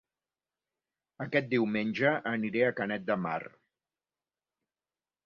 Aquest diumenge aniré a Canet de Mar